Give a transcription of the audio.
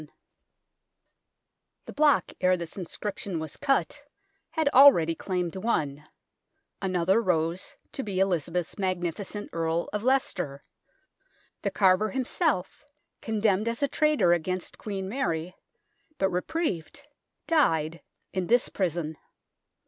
io8 THE TOWER OF LONDON The block ere this inscription was cut had already claimed one, another rose to be Elizabeth's magnificent Earl of Leicester ; the carver himself, condemned as a traitor against Queen Mary, but reprieved, died in this prison.